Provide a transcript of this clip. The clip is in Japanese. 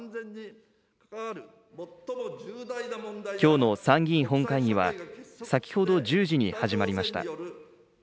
きょうの参議院本会議は、先ほど１０時に始まりました。